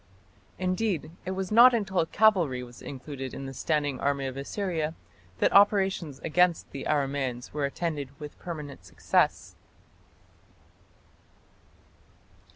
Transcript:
Indeed, it was not until cavalry was included in the standing army of Assyria that operations against the Aramaeans were attended with permanent success.